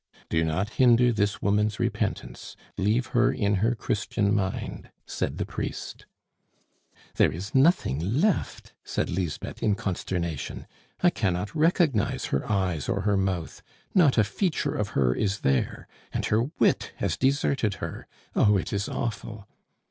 "Do not hinder this woman's repentance, leave her in her Christian mind," said the priest. "There is nothing left!" said Lisbeth in consternation. "I cannot recognize her eyes or her mouth! Not a feature of her is there! And her wit has deserted her! Oh, it is awful!"